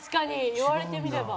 言われてみれば。